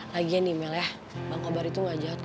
lagian nih mel bang kober itu gak jahat